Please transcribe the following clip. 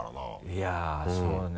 いやっそうね